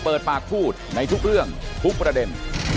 เปิดปากพูดในทุกเรื่องทุกประเด็น